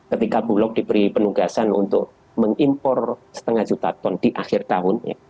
ketika bulog diberi penugasan untuk mengimpor setengah juta ton di akhir tahun